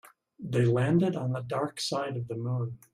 They landed on the dark side of the moon.